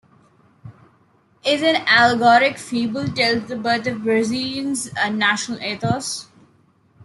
Is an allegoric fable, tells the birth of Brazilian's national ethos.